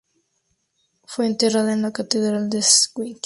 Fue enterrada en la catedral de Schwerin.